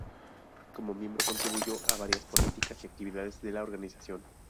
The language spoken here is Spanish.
Como miembro, contribuyó a varias políticas y actividades de la organización.